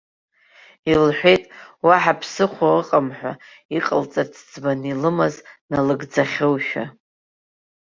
Илҳәеит, уаҳа ԥсыхәа ыҟам ҳәа, иҟалҵарц ӡбаны илымаз налыгӡахьоушәа.